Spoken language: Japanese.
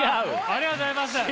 ありがとうございます。